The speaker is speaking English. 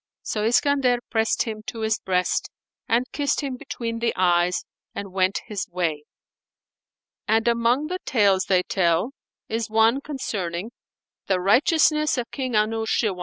So Iskandar pressed him to his breast and kissed him between the eyes and went his way.[FN#462] And among the tales they tell is one concerning THE RIGHTEOUSNESS OF KING ANUSHIRWAN.